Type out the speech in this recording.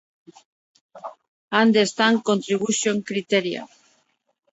El personaje es interpretado por la actriz Cristina Medina.